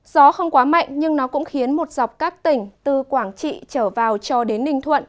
gió không quá mạnh nhưng nó cũng khiến một dọc các tỉnh từ quảng trị trở vào cho đến ninh thuận